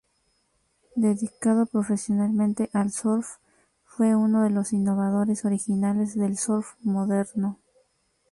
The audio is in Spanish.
Dedicado profesionalmente al surf fue uno de los innovadores originales del surf moderno.